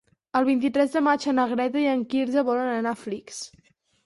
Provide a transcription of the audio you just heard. El vint-i-tres de maig na Greta i en Quirze volen anar a Flix.